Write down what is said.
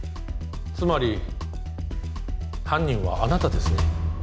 つまり犯人はあなたですね？